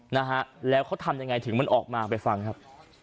นะฮะแล้วเขาทำยังไงถึงมันออกมาไปฟังครับ